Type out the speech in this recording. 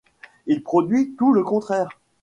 Il produit tout le contraire.